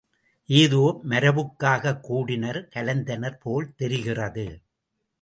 ஏதோ மரபுக்காகக் கூடினர், கலைந்தனர் போல் தெரிகிறது.